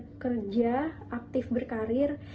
yang bekerja aktif berkarir